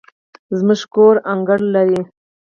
زموږ کور انګړ لري